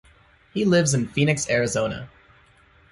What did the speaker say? He lives in Phoenix, Arizona.